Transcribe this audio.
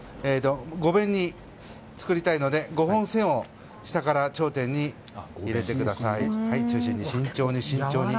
５弁に作りたいので５本、線を下から頂点に入れてください。